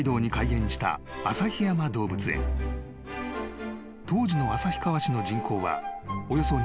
［当時の旭川市の人口はおよそ２７万人］